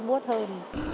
các bác sĩ khuyên